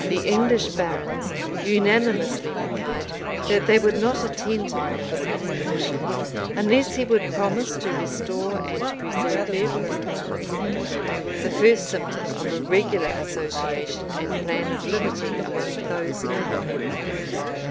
The English barons unanimously replied, that they would not attend him on this expedition, unless he would promise to restore and preserve their privileges; the first symptom of a regular association and plan of liberty among those noblemen.